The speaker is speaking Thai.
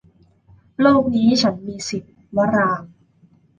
โลกนี้ฉันมีสิทธิ์ - วรางค์